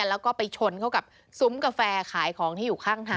แล้วก็ไปชนเข้ากับซุ้มกาแฟขายของที่อยู่ข้างทาง